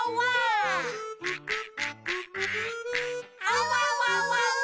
「あわわわわ！」